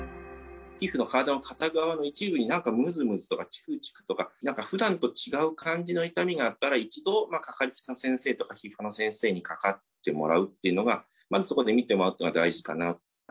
皮膚の体の片側の一部に、なんかむずむずとか、ちくちくとか、なんかふだんと違う感じの痛みがあったら、一度掛かりつけの先生とか、皮膚科の先生にかかってもらうっていうのが、まずそこで見てもらうというのが大事かなと。